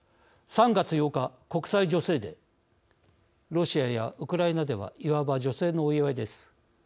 ３月８日、国際女性デーロシアやウクライナではいわば女性のお祝いです。